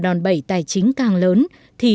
đòn bẩy tài chính càng lớn thì